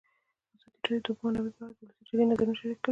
ازادي راډیو د د اوبو منابع په اړه د ولسي جرګې نظرونه شریک کړي.